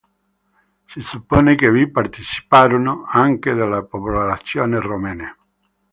Si suppone che vi parteciparono anche delle popolazioni romene.